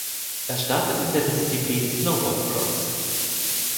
Er startet in der Disziplin Snowboardcross.